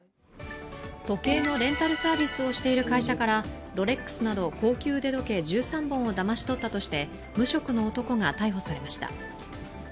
時計のレンタルサービスをしている会社からロレックスなど高級腕時計１３本をだまし取ったとして無職の男が逮捕されました。